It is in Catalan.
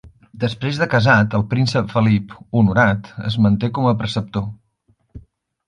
Després de casat el príncep Felip, Honorat es manté com a preceptor.